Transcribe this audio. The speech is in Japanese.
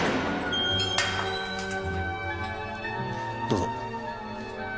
どうぞ。